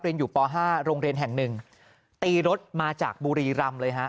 เรียนอยู่ป๕โรงเรียนแห่ง๑ตีรถมาจากบุรีรำเลยฮะ